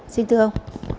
xin thưa ông